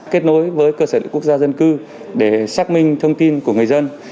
kết nối với cơ sở dữ liệu quốc gia dân cư để xác minh thông tin của người dân